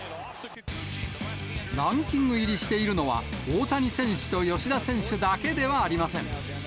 ランキング入りしているのは、大谷選手と吉田選手だけではありません。